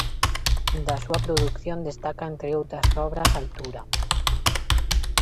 Da súa produción destaca, entre outras obras, "Altura".